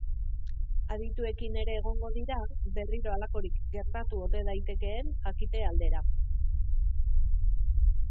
Adituekin ere egongo dira, berriro halakorik gertatu ote daitekeen jakite aldera.